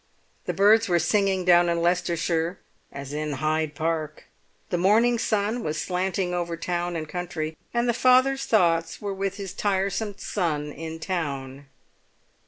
The birds were singing down in Leicestershire as in Hyde Park. The morning sun was slanting over town and country, and the father's thoughts were with his tiresome son in town.